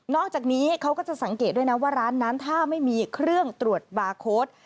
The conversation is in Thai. อกจากนี้เขาก็จะสังเกตด้วยนะว่าร้านนั้นถ้าไม่มีเครื่องตรวจบาร์โค้ด